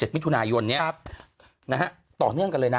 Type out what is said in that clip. ๑๗มิถุนายนเนี้ยนะครับต่อเนื่องเกินเลยนะ